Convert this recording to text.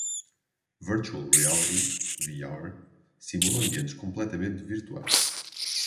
Virtual Reality (VR) simula ambientes completamente virtuais.